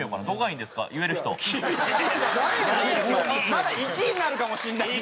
まだ１位になるかもしれないのに。